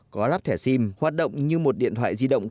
có lắp thẻ sim hoạt động như một điện thoại di động